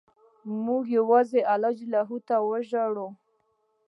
موږ یوازې الله ته وژاړو.